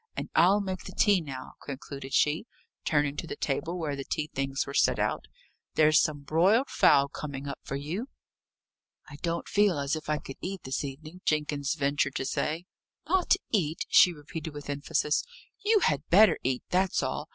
"And I'll make the tea now," concluded she, turning to the table where the tea things were set out. "There's some broiled fowl coming up for you." "I don't feel as if I could eat this evening," Jenkins ventured to say. "Not eat!" she repeated with emphasis. "You had better eat that's all.